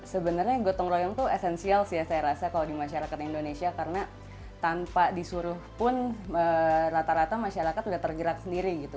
sebenarnya gotong royong tuh esensial sih ya saya rasa kalau di masyarakat indonesia karena tanpa disuruh pun rata rata masyarakat udah tergerak sendiri gitu